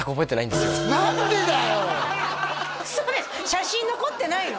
写真残ってないの？